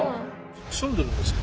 住んでいるんですか？